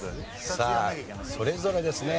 さあそれぞれですね